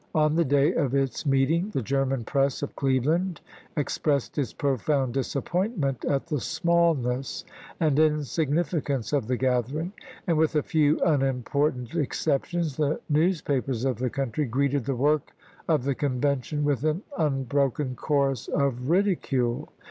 On the day of its meeting the German press of Cleveland expressed its profound disappointment at the smallness and insignificance of the gathering, and with a few unimportant exceptions the news papers of the country greeted the work of the Con vention with an unbroken chorus of ridicule.